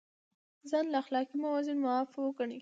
ځان له اخلاقي موازینو معاف وګڼي.